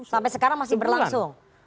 sampai sekarang masih berlangsung